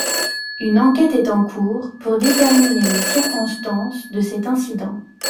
Une enquête est en cours pour déterminer les circonstances de cet incident.